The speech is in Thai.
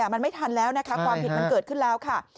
มันไม่ทันแล้วนะคะความผิดมันเกิดขึ้นแล้วค่ะ